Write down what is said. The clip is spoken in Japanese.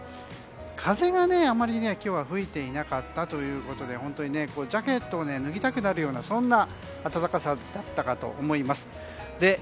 風があまり今日は吹いていなかったということでジャケットを脱ぎたくなるような暖かさだったと思います。